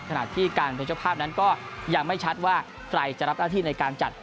ขณะที่การเป็นเจ้าภาพนั้นก็ยังไม่ชัดว่าใครจะรับหน้าที่ในการจัด